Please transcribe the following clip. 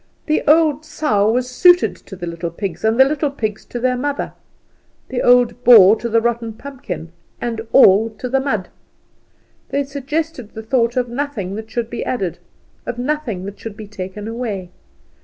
The old sow was suited to the little pigs, and the little pigs to their mother, the old boar to the rotten pumpkin, and all to the mud. They suggested the thought of nothing that should be added, of nothing that should be taken away.